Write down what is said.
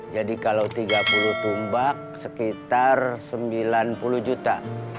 jadi kalau tiga puluh tumbak sekitar sembilan puluh juta